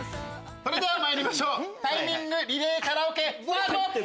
それではまいりましょうタイミングリレーカラオケスタート！